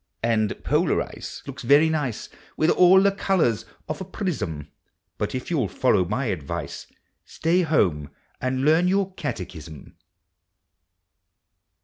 And Polar ice looks very nice, With all the colors of a pris sum; But, if you '11 follow my advice, Stay home and learn your catechissum.